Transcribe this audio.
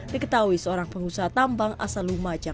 diketahui seorang pengusaha tambang asal lumajang